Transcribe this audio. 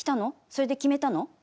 それで決めたの？